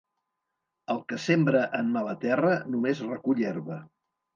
El que sembra en mala terra només recull herba.